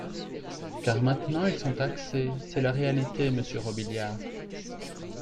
car maintenant ils sont taxés :, C’est la réalité, monsieur Robiliard